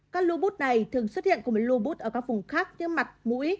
các lưu bút này thường xuất hiện cùng với lưu bút ở các vùng khác như mặt mũi